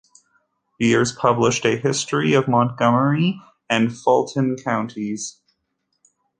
Beers published a history of Montgomery and Fulton Counties.